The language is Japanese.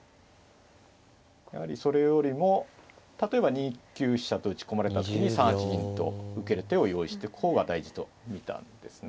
やはりそれよりも例えば２九飛車と打ち込まれた時に３八銀と受ける手を用意していく方が大事と見たんですね。